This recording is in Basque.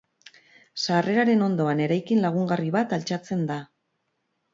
Sarreraren ondoan eraikin lagungarri bat altxatzen da.